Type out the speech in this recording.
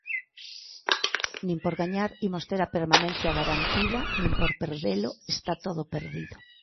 Nin por gañar imos ter a permanencia garantida nin por perdelo está todo perdido.